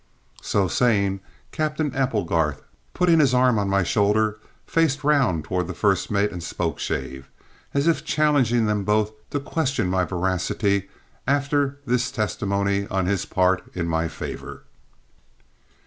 So saying, Captain Applegarth, putting his arm on my shoulder, faced round towards the first mate and Spokeshave, as if challenging them both to question my veracity after this testimony on his part in my favour.